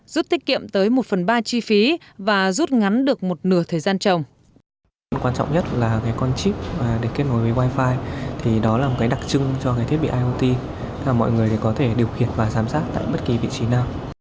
rút tiết kiệm tới một phần ba chi phí và rút ngắn được một nửa thời gian